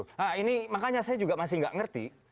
nah ini makanya saya juga masih nggak ngerti